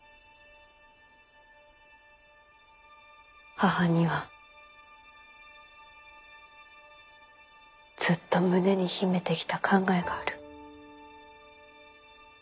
母にはずっと胸に秘めてきた考えがある。